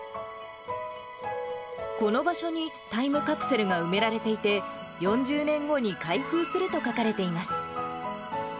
この場所にタイムカプセルが埋められていて、４０年後に開封すると書かれています。